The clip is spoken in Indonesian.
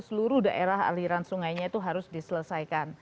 seluruh daerah aliran sungainya itu harus diselesaikan